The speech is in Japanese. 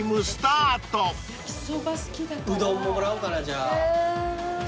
うどんももらおうかなじゃあ。